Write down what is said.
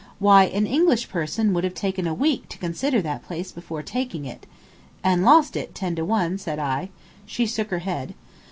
Why, an English person would have taken a week to consider that place before taking it." "And lost it, ten to one," said I. She shook her head.